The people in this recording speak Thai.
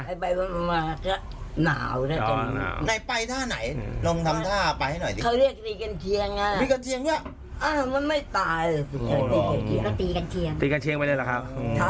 ตีกันเชียงตีกันเชียงไปแล้วหรือครับ